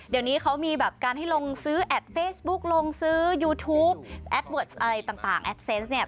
เดี๋ยวนี้เขามีแบบการให้ลงซื้อแอดเฟซบุ๊กลงซื้อยูทูปแอดเวิร์ดอะไรต่างแอดเซนต์เนี่ย